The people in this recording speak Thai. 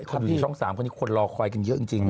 คนที่ช่อง๓คนนี้คนรอคอยกันเยอะจริง